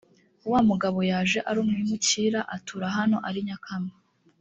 wa mugabo yaje ari umwimukira atura hano ari nyakamwe